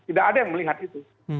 tidak ada yang melihat itu